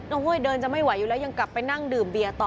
โอ้โหเดินจะไม่ไหวอยู่แล้วยังกลับไปนั่งดื่มเบียร์ต่อ